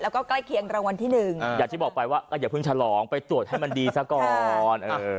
แล้วก็ใกล้เคียงรางวัลที่๑อย่างที่บอกไปว่าอย่าเพิ่งฉลองไปตรวจให้มันดีซะก่อน